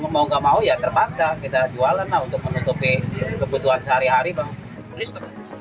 mau nggak mau ya terpaksa kita jualan lah untuk menutupi kebutuhan sehari hari bang listrik